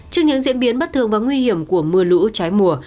trước những diễn biến bất thường và nguy hiểm của mưa lũ trái mùa